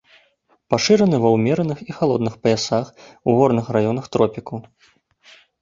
Пашыраны ва ўмераных і халодных паясах, у горных раёнах тропікаў.